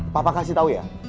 papa kasih tau ya